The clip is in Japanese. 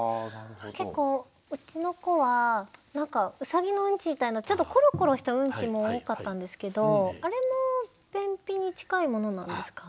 結構うちの子はうさぎのウンチみたいなちょっとコロコロしたウンチも多かったんですけどあれも便秘に近いものなんですか？